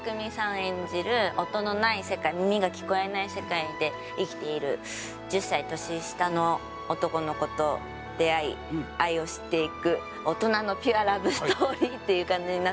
演じる音のない世界耳が聞こえない世界で生きている１０歳年下の男の子と出会い愛を知っていく大人のピュアラブストーリーっていう感じになってます。